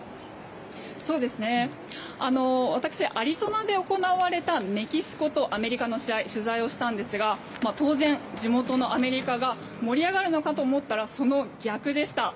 アリゾナで行われたメキシコとアメリカの試合を取材しましたが当然、地元のアメリカが盛り上がるのかと思ったらその逆でした。